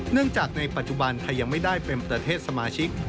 จากในปัจจุบันไทยยังไม่ได้เป็นประเทศสมาชิก